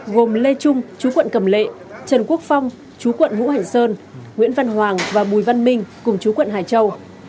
gồm lê trung chú quận cầm lệ trần quốc phong chú quận vũ hành sơn nguyễn văn hoàng và bùi văn minh cùng chú quận hải châu